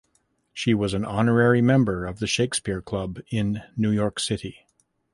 She was an honorary member of the Shakespeare Club in New York City.